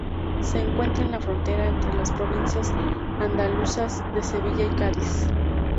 Se encuentra en la frontera entre las provincias andaluzas de Sevilla y Cádiz.